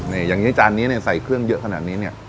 แยงงี้จานเนี้ยใส่เครื่องเยอะขนาดนี้เนี่ย